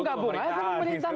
gabur aja ke pemerintahan